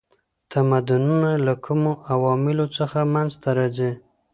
تمدنونه له کومو عواملو څخه منځ ته راځي؟